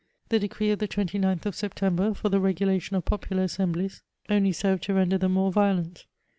The decree of the 29th of September, for ihe regulation of popular assemblies, only served to render them more violent.